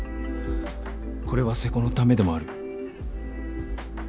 これは瀬古のためでもある。